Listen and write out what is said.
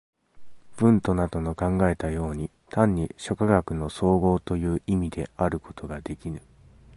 ヴントなどの考えたように、単に諸科学の綜合という意味であることができぬ。